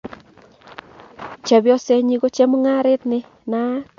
chepyosenyin ko chemung'aret ne naaka